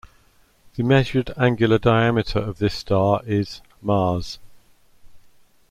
The measured angular diameter of this star is mas.